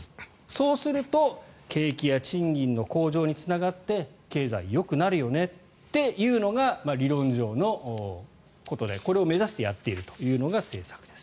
そうすると景気や賃金の向上につながって経済、よくなるよねっていうのが理論上のことでこれを目指してやっているというのが政策です。